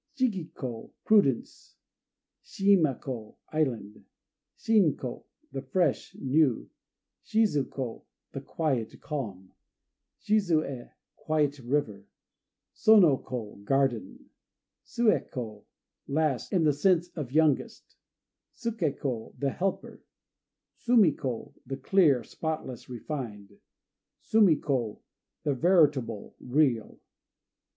Shiki ko "Prudence." Shima ko "Island." Shin ko "The Fresh," new. Shizu ko "The Quiet," calm. Shizuë "Quiet River." Sono ko "Garden." Suë ko "Last," in the sense of youngest. Suké ko "The Helper." Sumi ko "The Clear," spotless, refined. Sumi ko "The Veritable," real.